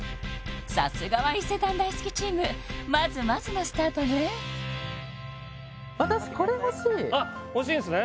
さすがは伊勢丹大好きチームまずまずのスタートねあっ欲しいんですね